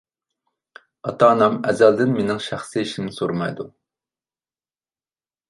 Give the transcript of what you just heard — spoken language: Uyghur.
ئاتا-ئانام ئەزەلدىن مېنىڭ شەخسىي ئىشىمنى سورىمايدۇ.